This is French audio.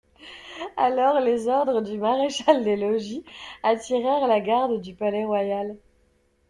Alors les ordres du maréchal des logis attirèrent la garde du Palais-Royal.